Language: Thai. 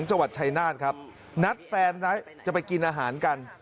จังหวัดชายนาฏครับนัดแฟนจะไปกินอาหารกัน